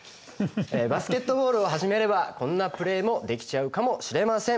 バスケットボールを始めればこんなプレーもできちゃうかもしれません！